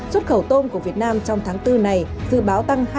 xuất khẩu tôm của việt nam trong tháng bốn này dự báo tăng hai